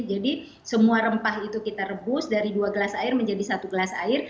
jadi semua rempah itu kita rebus dari dua gelas air menjadi satu gelas air